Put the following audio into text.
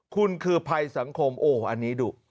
คุณคือภัยสังคมโอ้อันนี้ดู